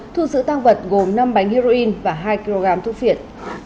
thu giữ tăng vật gồm năm bánh heroin và hai kg thuốc viện